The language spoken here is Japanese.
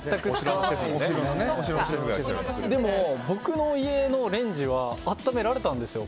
でも、僕の家のレンジは温められたんですよ